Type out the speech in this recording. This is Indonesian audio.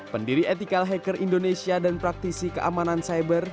pendiri ethical hacker indonesia dan praktisi keamanan cyber